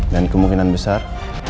dan kemungkinan besar